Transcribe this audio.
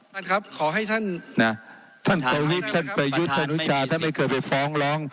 ท่านครับขอให้ท่านนะท่านตอนนี้ท่านไปยุทธนุชาฯถ้าไม่เกิดไปฟ้องร้อง